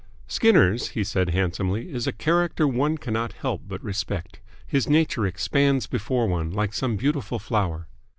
"Skinner's," he said handsomely, "is a character one cannot help but respect. His nature expands before one like some beautiful flower."